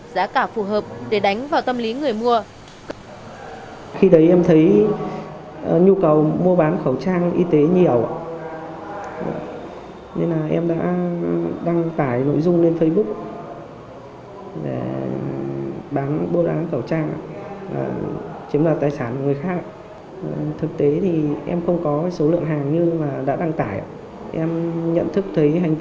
giá cả phù hợp để đánh vào tâm lý người mua